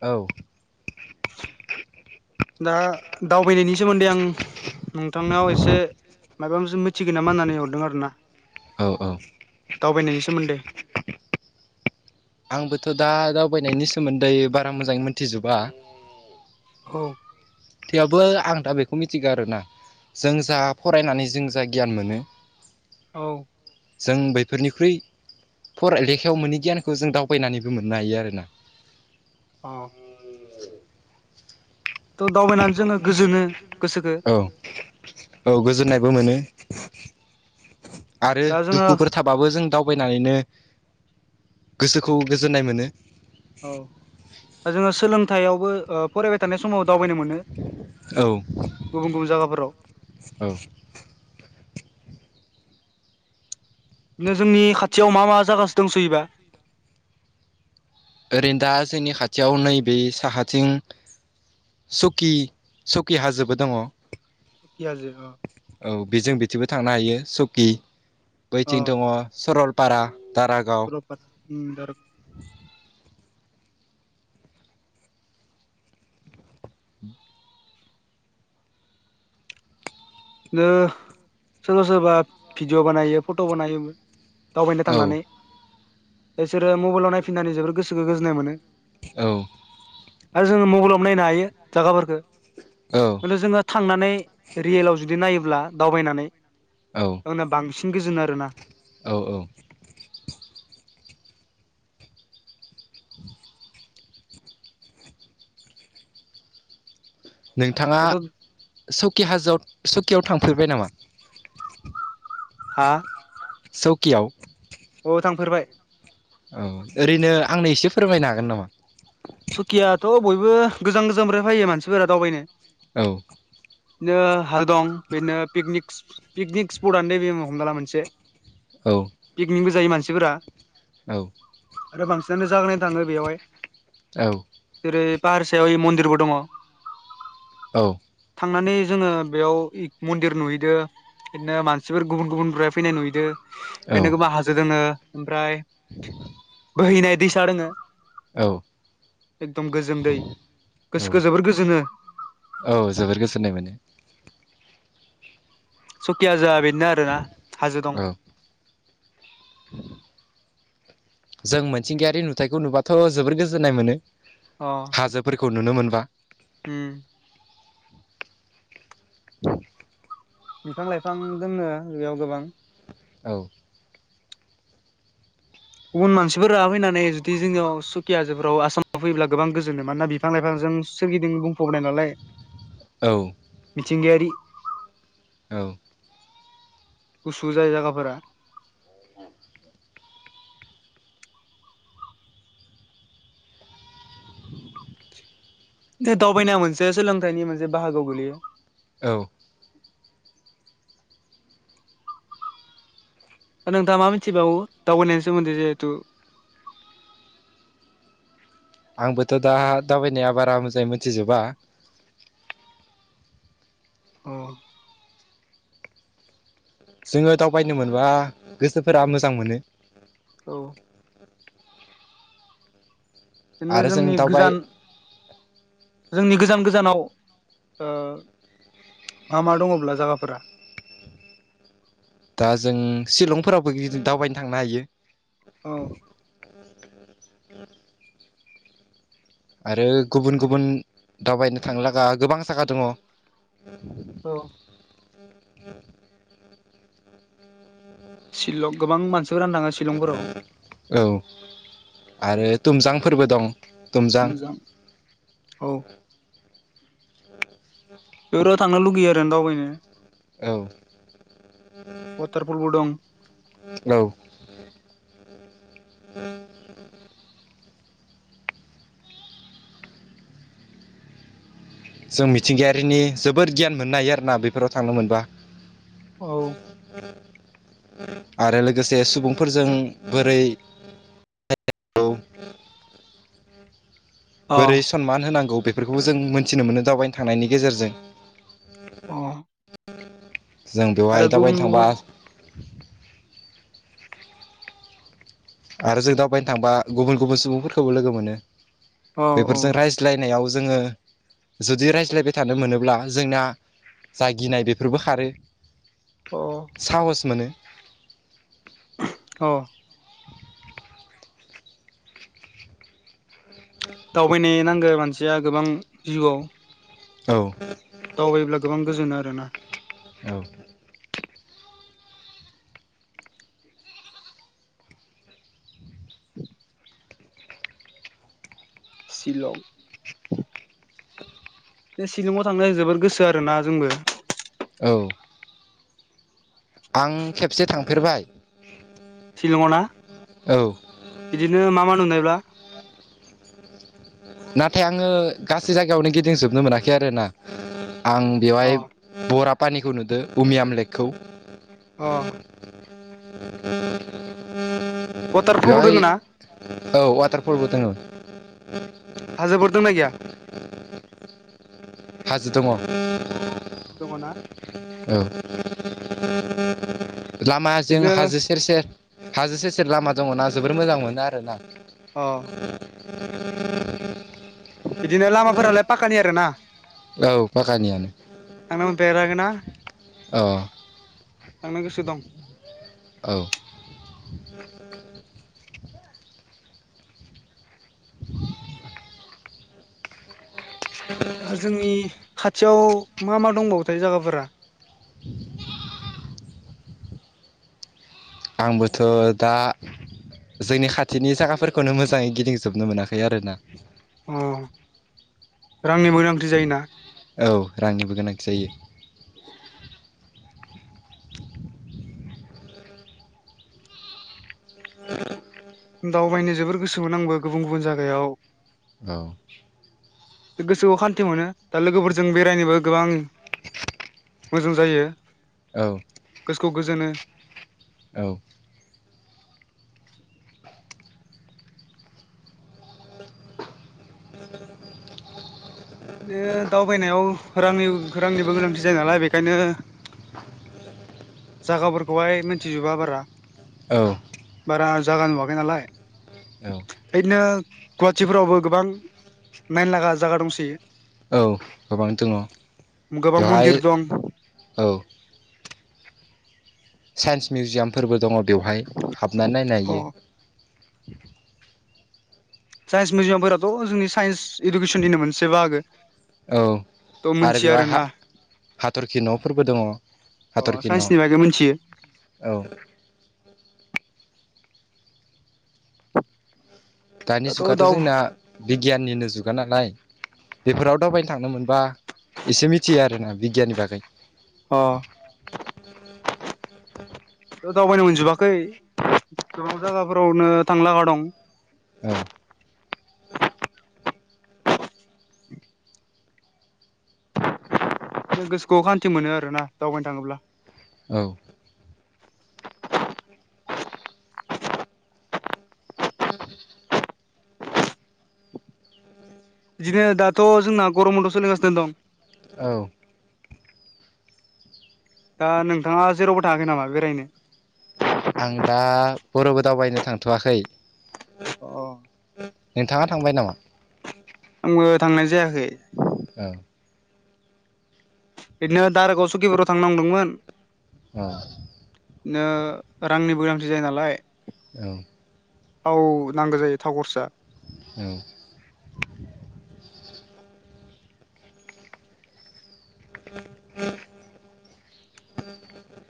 औ दा दावबायनायनि सोमोन्दै आं नोंथांनाव एसे मायबा मोनसे मिथिगोन नामा होननानै हरदों आरो ना औ औ दावबायनायनि सोमोन्दै आंबोथ' दा दावबायनायनि सोमोन्दै बारा मोजांयै मोनथिजोबा औ थेबाबो आं दा बेखौ मिथिगो आरोना जों जा फरायनानै जों जा गियान मोनो औ जों बैफोरनिख्रुइ फराय लेखायाव मोनै गियानखौ जों दावबायनानैबो मोननो हायो आरोना अ थ' दावबायनानै जोङो गोजोनो गोसोखो औ-औ गोजोननायबो मोनो आरो दा जोङो दुखुफोर थाबाबो जों दावबायनानैनो गोसोखौ गोजोननाय मोनो औ दा जोङो सोलोंथायावबो फरायबाय थानाय समाव दावबायनो मोनो गुबुन गुबुन जायगाफोराव औ-औ बिनो जोंनि खाथियाव मा मा जागासो दंसोयोबा ओरैनो दा जोंनि खाथियाव नैबे साहाथिं सुकि सुकि हाजोबो दङ सुकि हाजो अ औ बेजों बिथिंबो थांनो हायो सकि अ बैथिं दङ सरल पारा दारागाव [unintelligible] बिदिनो सोरबा सोरबा भिडिअ बानायो फट' बानायोमोन दावबायनो औ थांनानै इसोरो मबाइलाव नायफिननानै जोबोर गोसोखौ गोजोननाय मोनो औ आरो जोङो मबाइलाव नायनो हायो जागाफोरखो औ [unintelligible] जोङो थांनानै रियेलाव जुदि नायोब्ला दावबायनानै औ अबोला बांसिन गोजोन आरोना औ-औ नोंथाङा दाथ' सकि हाजोआव सकियाव थांफेरबाय नामा हा सकिआव अ थांफेरबाय औ ओरैनो आंनो एसे फोरमायनो हागोन नामा सुकियाथ' बयबो गोजान गोजाननिफ्राय फैयो मानसिफोरा दावबायनो औ बिदिनो हाल दं बिदिनो पिकनिक पिकनिक स्पटआनो दानो नैबे हमना ला मोनसे औ पिकनिकबो जायो मानसिफोरा औ आरो बांसिनानो जागा नायनो थाङो बेवहाय औ जेरै पाहार सायाव यै मन्दिरबो दङ औ थांनानै जोङो बेयाव मन्दिर नुहैदो इदिनो मानसिफोर गुबुन गुबुन निफ्राय फैनाय नुहैदों बेनो गोबां हाजो दोङो ओमफ्राय [inaudible] बोहैनाय दैसा दोङो औ एकदम गोजोन दै गोसोखो जोबोर गोजोनो औ जोबोर गोजोननाय मोनो। सकि हाजोआ बिदिनो आरोना हाजो रं। औ जों मिथिंगायारि नुथायखौ नुबाथ' जोबोर गोजोननाय मोनो। अ। हाजोफोरखौ नुनो मोनबा। उम। [inaudible] बिफां लाइफां दङ बेयाव गोबां। औ। गुबुन मानसिफोरा फैनानै जुदि जोंनियाव सुखिया हाजोफोराव आसामाव फैयोब्ला गोबां गोजोनो मानोना बि फां लाइफांजों सोरगिदिं बुंफबाय नालाय। औ। मिथिंगायारि औ। गुसु जायो जायगाफोरा। दे दावबायनाय मोनसे सोलोंथाइनि मोनसे बाहागो गोलैयो। औ। बा नोंथाङा मा मिथिबावो दावबायनायनि सोमोन्दै जिहेथु। आंबोथ' दा दावबायनाया बारा मोजाङै मोनथिजोबा। अ। जोङो दावबायनो मोनबा गोसोफोरा मोजां मोनो। औ। बिदिनो आरो जों जोंनि गोजान दावबाय जोंनि गोजान गोजानाव ओ मा मा दङब्ला जागाफोरा। दा जों शिलंफोरावबो बिदिनो दावबायनो थांनो हायो। औ। आरो गुबुन गुबुन दावबायनो थांनो लागा गोबां जागा दङ। औ। शिलं गोबां मानसिफोरा थाङो शिलंफोराव। औ आरो दुमजांफोरबो दं। तुमजां टुमजां औ। बेफोराव थांनो लुगैयो आरो दावबायनो। औ वाटारफलबो दं औ। जों मिथिंगायारिनि जोबोद गियान मोननो हायो आरोना बेफोराव थांनो मोनबा। औ आरो लोगोसे सुबुंफोरजों बोरै औ अ बोरै सनमान होनांगौ बेफोरखौबो जों मोनथिनो मोनो दावबायनो थांनायनि गेजेरजों। अ जों आरो बेवहाय गुबुन दाबायनो थांबा गुबुन आरो जों दावबायनो थांबा गुबुन गुबुन सुबुंफोरखौबो लोगो मोनो। औ औ बेफोरजों रायज लायनायाव जोङो। जुदि रायज्लायबाय थानो मोनोब्ला जोंना जा गिनाय बेफोरबो खारो। अ। साहस मोनो। ओ। दावबायनो नांगौ मानसिया गोबां जिउआव। औ। दावबायायोब्ला गोबां गोजोनो आरो ना। औ। शिलं। बे शिलंआव थांनो जोबोद गोसो आरो ना जोंबो। औ। आं खेबसे थांफेरबाय शिलङावना औ बिदिनो मा मा नुनायब्ला नाथाय आङो गासै जायगायावनो गिदिंजोबनो मोनाखै आरोना आं अ बेवहाय बरा पानिखौ नुदो उमियाम लेकखौ अ वाटारफलबो बेवहाय दोङो ना औ वाटारफलबो दोङो हाजोफोर दोंना गैया [inaudible] हाजो दङ औ दङ ना लामाजों बिदिनो हाजो सेर सेर हाजो सेर सेर लामा दङना जोबोर मोजां मोनो आरोना अ बिदिनो लामाफोरालाय पाकानि आरोना औ पाकानियानो थांनो मोनफेराखैना औ थांनो गोसो दं औ [inaudible] जोंनि खाथियाव मा मा दंबावोथाय जायागाफोरा आंबोथ' दा जोंनि खाथिनि जायगाफोरखौनो मोजाङै गिदिंजोबनो मोनाखै आरोना अ रांनिबो गोनांथि जायोना औ रांनिबो गोनांथि जायो दावबायनो जोबोर गोसोमोन आंबो गुबुन गुबुन जायगायाव औ गोसोआव खान्थि मोनो दा लोगोफोरजों बेरायनोबो गोबां मोजां जायो औ गोसोखौ गोजोनो औ ओ दावबायनायाव रांनि रांनिबो गोनांथि जायो नालाय बेखायनो जागाफोरखौहाय मोनथिजोबा बारा औ बारा जागा नुवाखै नालाय औ ओदिनो गुवाहाटिफोरावबो गोबां नायनो लागा जागा दंसोयो औ गोबां दङ गोबां बेवहाय मन्दिर दं औ साइन्स मिउजियामफोरबो दङ बेवहाय हाबनानै नायनो अ हायो साइन्स मिजियामफोराथ' जोंनि साइन्स इडुकेसननिनो मोनसे बाहागो औ थ' आरो मोनथिया बेवहाय हा आरोना हाथरखि न'फोरबो दङ अ हाथरखि न' साइन्सनि बागै मिथियो औ दानि दाथ' जुगाथ' दाव जोंना बिगियाननिनो जुगा नालाय बेफोराव दावबायनो थांनो मोनबा एसे मिथियो आरोना बिगियाननि बागै अ ओ दावबायनो मोनजोबाखै गोबां जायगाफोरावनो थांनो लागा दं औ जों गोसोखौ खान्थि मोनो आरोना दावबायनो थाङोब्ला औ इदिनो दाथ' जोंना गरम बनद' सलिगासिनो दं औ दा नोंथाङा जेरावबो थाङाखै नामा बेरायनो आं दा बर'बो दावबायनो थांथ'वाखै अ नोंथाङा थांबाय नामा? आंबो थांनाय जायाखै। औ। बिदिनो दारागाव सुकिबाराव थांनो नंदोंमोन। अ। बिदिनो रांनिबो गोनांथि जायो नालाय। औ। औ नांगौ जायो थाव खरसा। औ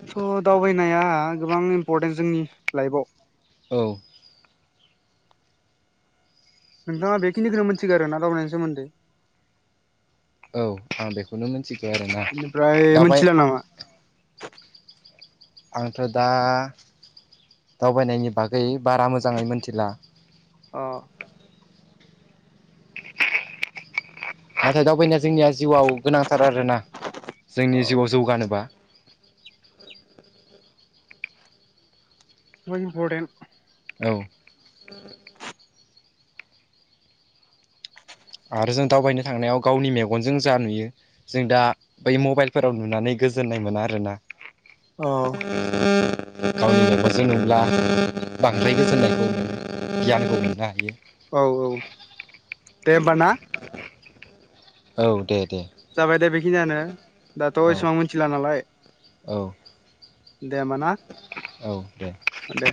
स' दावबायनाया गोबां इम्परटेन्ट जोंनि लाइफआव। औ नोंथाङा बेखिनिखौनो मोनन्थिगौ आरोना दावबायनायनि सोमोन्दै। औ आं बेखौनो मिथिगौ आरोना। बेनिफ्राय दावबाय मिथिला नामा आंथ' दा दावबायनायनि बागै बारा मोजाङै मिथिला। अ। नाथाय दावबायनाया जोंनिया जिउआव गोनांथार आरोना जोंनि औ जिउआव जौगानोबा। इमपर्टेन्ट। औ आरो जों दावबायनो थांनायाव गावनि मेगनजों जा नुयो। जों दा बै मबाइलफोराव नुनानै गोजोननाय मोना आरोना। औ [inaudible] गावनि मेगनजों नुब्ला बांद्राय गोजोननायखौ गियानखौ मोननो हायो। औ औ दे होमबा ना। औ दे दे। जाबाय दे बेखिनियानो दाथ' औ एसेबां मोन मिथिला नालाय औ दे होमबा ना। औ दे। औ दे।